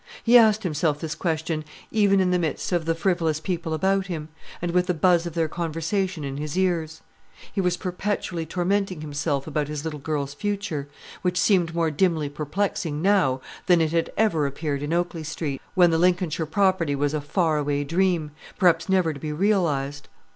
He asked himself this question even in the midst of the frivolous people about him, and with the buzz of their conversation in his ears. He was perpetually tormenting himself about his little girl's future, which seemed more dimly perplexing now than it had ever appeared in Oakley Street, when the Lincolnshire property was a far away dream, perhaps never to be realised.